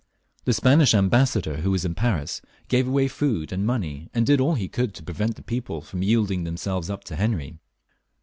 The Spanish Ambassador, who was in Paris, gave away food and money, and did all he could to prevent the people from yielding themselves up to Henry.